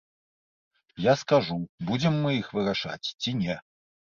Я скажу, будзем мы іх вырашаць ці не.